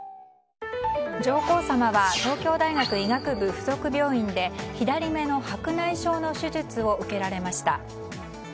上皇さまは東京大学医学部附属病院で左目の白内障の手術を受けられました。